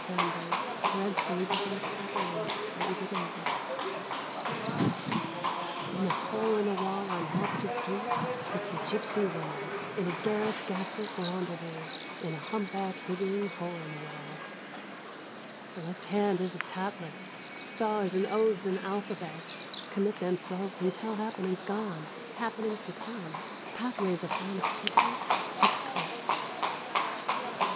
Slabs of the Sunburnt West 41 GYPSY MOTHER In a hole in a wall on Halsted Street sits a gypsy woman, In a garish gas lit rendezvous, in a humpback higgling hole in a wall. The left hand is a tattler; stars and oaths and alphabets Commit themselves and tell happenings gone, happenings to come, pathways of honest people, hypocrites.